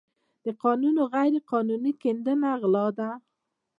د کانونو غیرقانوني کیندنه غلا ده.